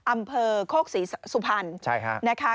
อำเภอโคกศรีสุพรรณนะคะ